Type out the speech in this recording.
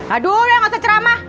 aduh ya masa ceramah